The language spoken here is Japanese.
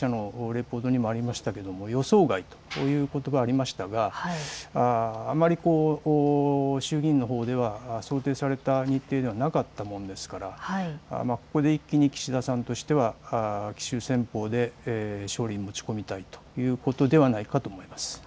予想外ということばがありましたがあまり衆議院のほうでは想定された日程ではなかったものですからここで一気に岸田さんとしては奇襲戦法で勝利に持ち込みたいということではないかと思います。